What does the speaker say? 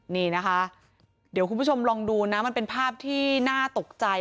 นี่นะคะเดี๋ยวคุณผู้ชมลองดูนะมันเป็นภาพที่น่าตกใจ